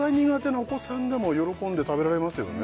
なお子さんでも喜んで食べられますよね